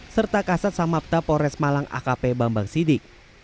serta kasat samapta polres malang akp bambang sidik